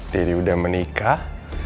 daddy udah menikah